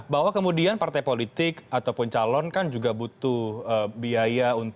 bahwa kemudian partai politik ataupun calon kan juga butuh biaya